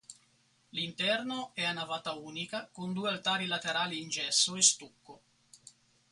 L'interno è a navata unica con due altari laterali in gesso e stucco.